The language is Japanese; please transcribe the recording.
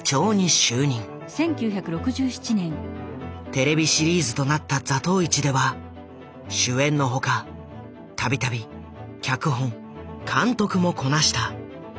テレビシリーズとなった「座頭市」では主演の他度々脚本監督もこなした。